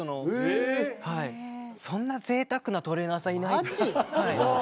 そんなぜいたくなトレーナーさんいない。